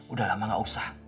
udah lama gak usah